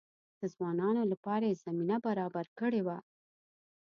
د ځوانانو لپاره یې زمینه برابره کړې وه.